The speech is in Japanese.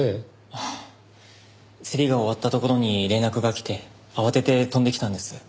ああ競りが終わったところに連絡が来て慌てて飛んできたんです。